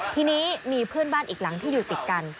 ทีนี้มีเพื่อนบ้านอีกหลังที่อยู่ติดกัน